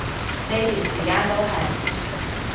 呢段時間都係